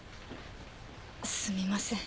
すみません。